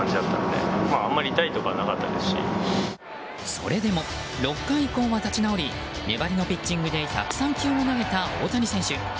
それでも、６回以降は立ち直り粘りのピッチングで１０３球を投げた大谷選手。